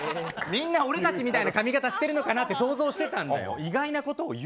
みんな俺たちみたいな髪形してるかなって想像してたんだよ。